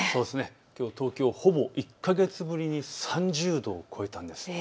きょう東京、ほぼ１か月ぶりに３０度を超えたんです。